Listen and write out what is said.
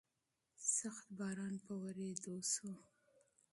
سخت باران په ورېدو شو.